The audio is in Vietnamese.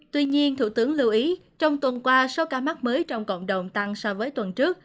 tuy nhiên thủ tướng lưu ý trong tuần qua số ca mắc mới trong cộng đồng tăng so với tuần trước